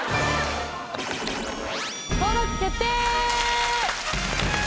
登録決定。